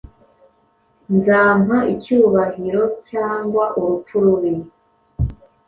Nzampa icyubahirocyangwa urupfu rubi